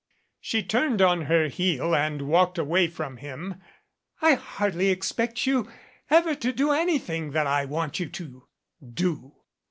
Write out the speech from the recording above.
She turned on her heel and walked away from him. "I hardly expect you ever to do anything that I want you to do."